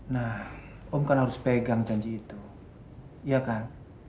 nah om kan harus pegang janji itu iya kan